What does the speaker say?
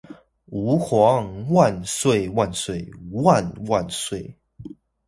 吾皇萬歲萬歲萬萬歲